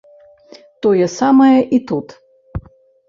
Тое самае і тут.